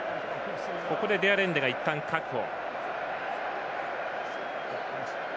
ここでデアレンデがいったん確保。